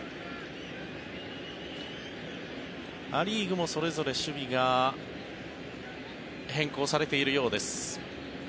ア・リーグもそれぞれ守備が変更されているようです。